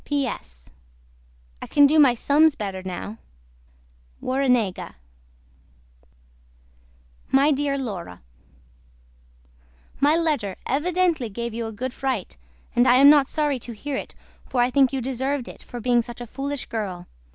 P.S. I CAN DO MY SUMS BETTER NOW. WARRENEGA MY DEAR LAURA MY LETTER EVIDENTLY GAVE YOU A GOOD FRIGHT AND I AM NOT SORRY TO HEAR IT FOR I THINK YOU DESERVED IT FOR BEING SUCH A FOOLISH GIRL.